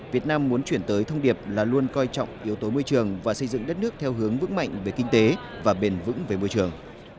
việt nam muốn chuyển tới thông điệp là luôn coi trọng yếu tố môi trường và xây dựng đất nước theo hướng vững mạnh về kinh tế và bền vững về môi trường